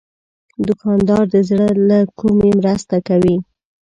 دوکاندار د زړه له کومي مرسته کوي.